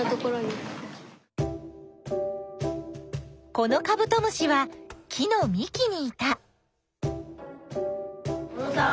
このカブトムシは木のみきにいた。